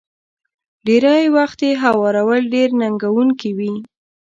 ډېری وخت يې هوارول ډېر ننګوونکي وي.